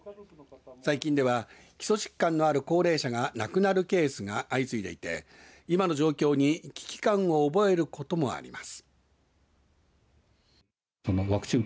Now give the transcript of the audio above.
最近では基礎疾患のある高齢者が亡くなるケースが相次いでいて今の状況に危機感を覚えることもあります。